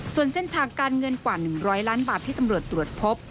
ส่วนเส้นทางการเงินกว่า๑๐๐ล้านบาทที่ตำรวจตรวจพบ